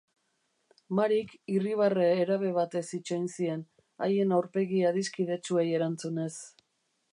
Maryk irribarre herabe batez itxoin zien, haien aurpegi adiskidetsuei erantzunez.